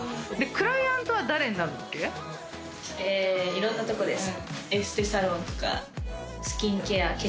いろんなとこです。